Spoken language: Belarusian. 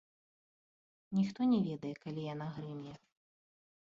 Ніхто не ведае, калі яна грымне.